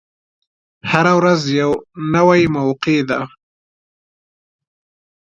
هره ورځ یوه نوی موقع ده.